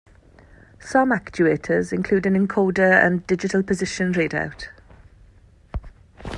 Some actuators include an encoder and digital position readout.